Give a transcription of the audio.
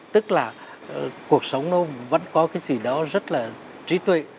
tức là cuộc sống nó vẫn có cái gì đó rất là trí tuệ